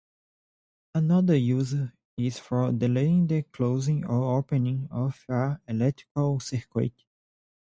Another use is for delaying the closing or opening of an electrical circuit.